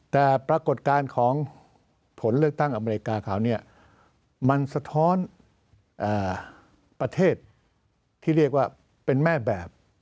แต่ปรากฏการณ์ของผลเลือกตั้งอเมริกาคราวนี้มันสะท้อนประเทศที่เรียกว่าเป็นแม่แบบ